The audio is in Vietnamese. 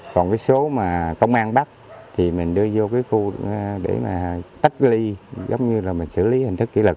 cái số mà công an bắt thì mình đưa vô cái khu để mà tách ly giống như là mình xử lý hình thức kỹ lực